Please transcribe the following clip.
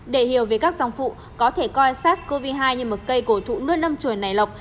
để hiểu về các dòng phụ có thể coi sars cov hai như một cây cổ thụ nuốt âm chuẩn nảy lọc